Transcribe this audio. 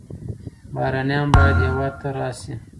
بهرنیان باید هېواد ته راشي.